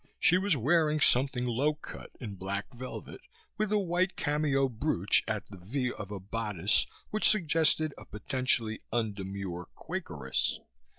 She was wearing something low cut in black velvet, with a white cameo brooch at the "V" of a bodice which suggested a potentially undemure Quakeress.